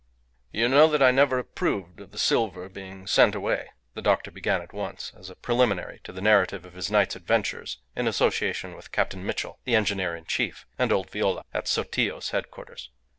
"You know that I never approved of the silver being sent away," the doctor began at once, as a preliminary to the narrative of his night's adventures in association with Captain Mitchell, the engineer in chief, and old Viola, at Sotillo's headquarters.